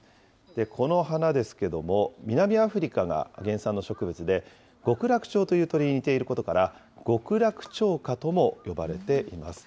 この花ですけども、南アフリカが原産の植物で、極楽鳥という鳥に似ていることから、極楽鳥花とも呼ばれています。